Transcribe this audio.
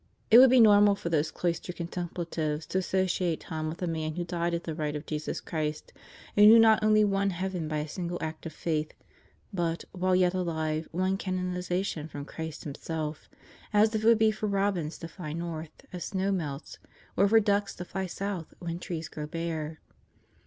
It would be normal for those cloistered contemplatives to associate Tom with the man who died at the right of Jesus Christ and who not only won heaven by a single act of Faith, but, while yet alive, won canonization from Christ Himself, as it would be for robins to fly north as snows melt or for ducks to fly south when trees grow bare.